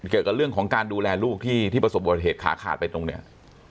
เกี่ยวกับเรื่องของการดูแลลูกที่ประสบบัติเหตุขาขาดไปตรงเนี่ย